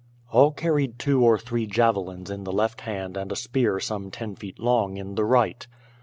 All carried two or three javelins in the left hand and a spear some ten feet long in the right.